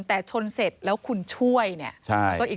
แต่ชนเสร็จแล้วคุณช่วยเนี่ย